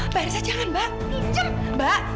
mbak irsa jangan mbak